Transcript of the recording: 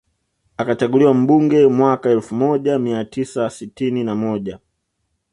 Akachaguliwa mbunge mwaka elfu moja mia tisa sitini na moja